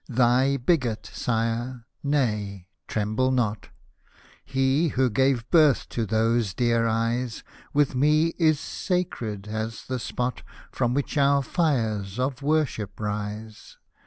Thy bigot sire, — nay, tremble not, — He, who gave birth to those dear eyes, With me is sacred as the spot From which our fires of worship rise